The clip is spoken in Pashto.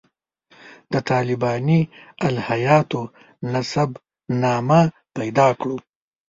د طالباني الهیاتو نسب نامه پیدا کړو.